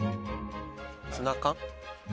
ツナ缶。